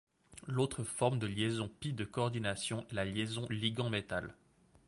L'autre forme de liaison π de coordination est la liaison ligand-métal.